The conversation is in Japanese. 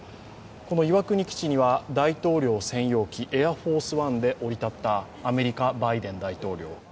この岩国基地には大統領専用機エアフォースワンで降り立ったアメリカのバイデン大統領。